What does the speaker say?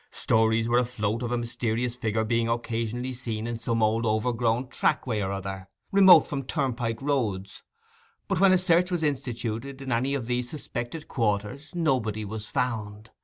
Stories were afloat of a mysterious figure being occasionally seen in some old overgrown trackway or other, remote from turnpike roads; but when a search was instituted in any of these suspected quarters nobody was found.